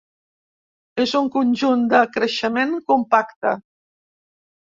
És un conjunt de creixement compacte.